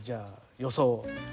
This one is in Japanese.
予想。